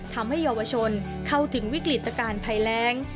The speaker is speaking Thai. ทำให้เยาวชนเข้าถึงวิกฤตการณ์ภัยแรง